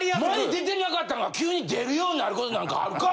前出てなかったんが急に出るようになることなんかあるか！